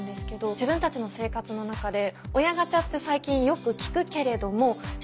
自分たちの生活の中で親ガチャって最近よく聞くけれどもじゃ